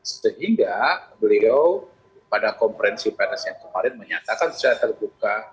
sehingga beliau pada konferensi pers yang kemarin menyatakan secara terbuka